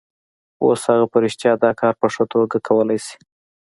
اوس هغه په رښتیا دا کار په ښه توګه کولای شي